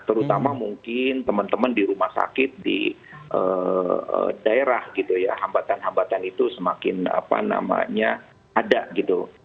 terutama mungkin teman teman di rumah sakit di daerah gitu ya hambatan hambatan itu semakin apa namanya ada gitu